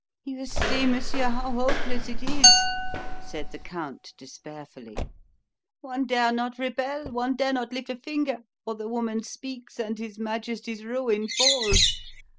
"You see, monsieur, how hopeless it is!" said the Count despairfully. "One dare not rebel: one dare not lift a finger, or the woman speaks and his Majesty's ruin falls.